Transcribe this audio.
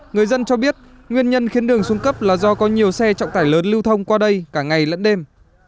người dân cho biết nguyên nhân khiến đường xuống cấp là do có nhiều xe trọng tải lớn lưu thông qua đây cả ngày lẫn đêm